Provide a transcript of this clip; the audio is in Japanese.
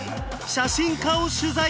写真家を取材！